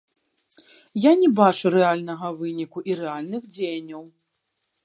Я не бачу рэальнага выніку і рэальных дзеянняў.